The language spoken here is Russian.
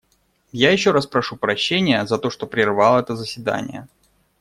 Я еще раз прошу прощения за то, что прервал это заседание.